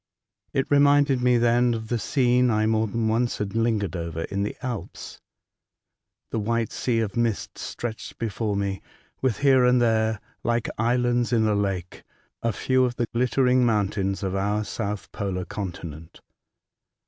It reminded me then of the scene I more than once had lingered over in the Alps. The white sea of mist stretched before me, with here and there, like islands in a lake, a few of the glittering mountains of our South Polar continent.